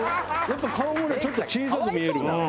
やっぱ顔もねちょっと小さく見えるわ。